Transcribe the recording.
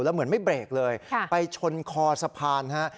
แล้วเหมือนไม่เบรกเลยไปชนคอสะพานฮะ